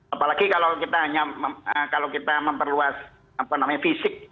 apalagi kalau kita memperluas apa namanya fisik